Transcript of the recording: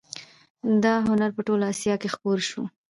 دا هنر په ټوله اسیا کې خپور شو